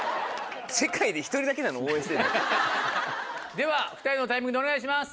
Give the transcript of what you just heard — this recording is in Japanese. では２人のタイミングでお願いします。